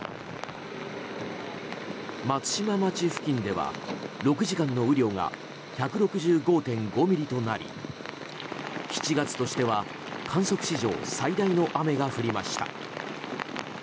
松島町付近では、６時間の雨量が１６５．５ミリとなり７月としては観測史上最大の雨が降りました。